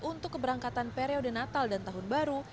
untuk keberangkatan periode natal dan tahun baru